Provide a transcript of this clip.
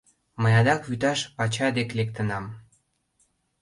Мый адак вӱташ пача дек лектынам.